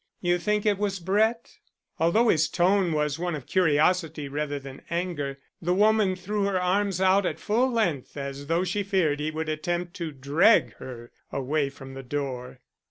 "You think it was Brett?" Although his tone was one of curiosity rather than anger, the woman threw her arms out at full length as though she feared he would attempt to drag her away from the door.